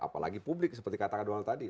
apalagi publik seperti katakan doal tadi